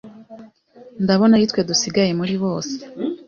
Ndabona ari twe dusigaye muri bose